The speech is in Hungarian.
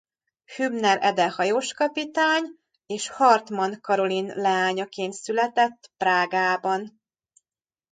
Hübner Ede hajóskapitány és Hartmann Karolin leányaként született Prágában.